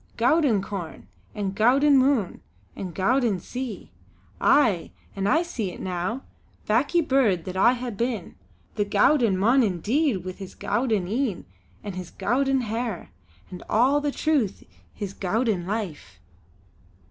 Gowden corn, and gowden moon, and gowden sea! Aye! an' I see it now, backie bird that I hae been; the gowden mon indeed, wi' his gowden een an' his gowden hair and all the truth o' his gowden life!"